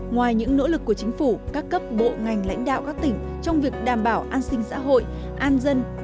ngoài những nỗ lực của chính phủ các cấp bộ ngành lãnh đạo các tỉnh trong việc đảm bảo an sinh xã hội an dân